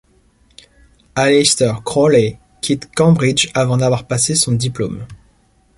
Aleister Crowley quitte Cambridge avant d'avoir passé son diplôme.